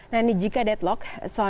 nah ini jika deadlock